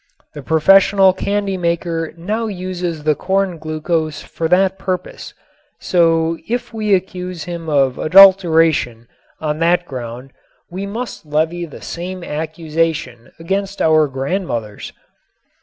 The professional candy maker now uses the corn glucose for that purpose, so if we accuse him of "adulteration" on that ground we must levy the same accusation against our grandmothers.